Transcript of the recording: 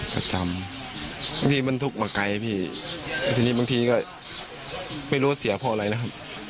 ประจำบางทีมันทุกข์มาไกลพี่แล้วทีนี้บางทีก็ไม่รู้ว่าเสียเพราะอะไรนะครับ